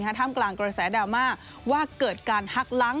ท่ามกลางกระแสดราม่าว่าเกิดการฮักล้าง